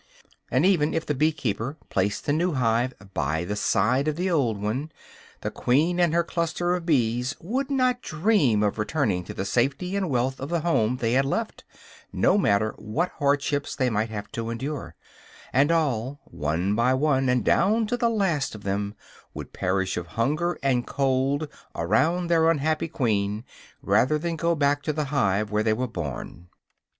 And even if the bee keeper place the new hive by the side of the old one, the queen and her cluster of bees would not dream of returning to the safety and wealth of the home they had left, no matter what hardships they might have to endure; and all, one by one, and down to the last of them, would perish of hunger and cold around their unhappy queen rather than go back to the hive where they were born.